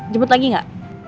jemput lagi gak